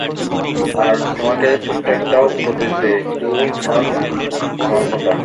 আর তোমাকে ছোট্ট একটা উপদেশ দেই, শুধু তোমার আমার কথা।